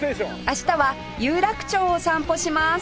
明日は有楽町を散歩します